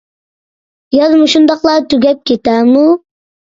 ياز مۇشۇنداقلا تۈگەپ كېتەرمۇ؟